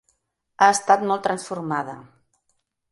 Ha estat molt transformada.